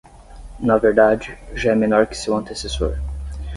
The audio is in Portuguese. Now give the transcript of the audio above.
Na verdade, já é menor que seu antecessor.